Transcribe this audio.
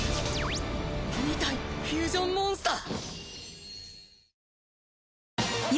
２体のフュージョンモンスター！